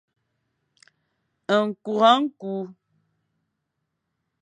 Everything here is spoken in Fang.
Nkura nku.